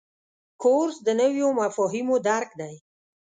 کورس د نویو مفاهیمو درک دی.